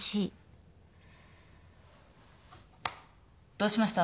どうしました？